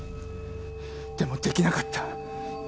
でもできなかった。